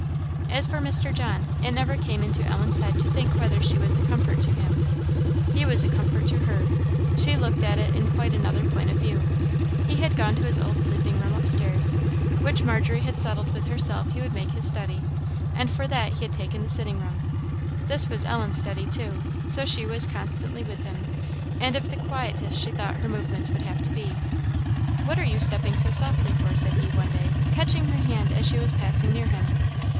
As for Mr. John, it never came into Ellen's head to think whether she was a comfort to him; he was a comfort to her; she looked at it in quite another point of view. He had gone to his old sleeping room upstairs, which Margery had settled with herself he would make his study; and for that he had taken the sitting room. This was Ellen's study too, so she was constantly with him; and of the quietest she thought her movements would have to be. "What are you stepping so softly for?" said he, one day, catching her hand as she was passing near him.